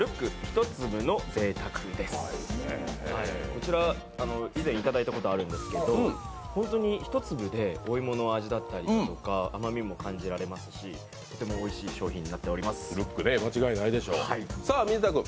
こちら以前、頂いたことあるんですけど本当に一粒でお芋の味だったり、甘みも感じられますしとてもおいしい商品になっております。